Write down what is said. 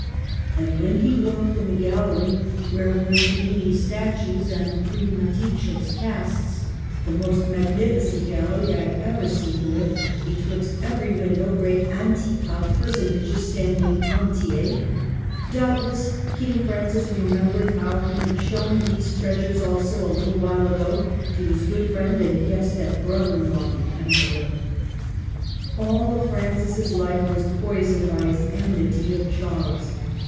And when he walked in the gallery, where were Cellini's statues and Primaticcio's casts, *' the most magnifique gal lereye I had ever seen with, betwixt every win dowe, great antycall personages standing entier," doubtless King Francis remembered how he had shown these treasures also, a little while ago, to his good friend and guest and brother in law, the Emperor. All of Francis's life was poisoned by his en mity of Charles.